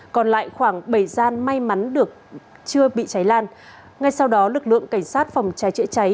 còn lại khoảng bảy gian may mắn được chưa bị cháy lan ngay sau đó lực lượng cảnh sát phòng cháy chữa cháy